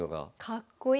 かっこいい。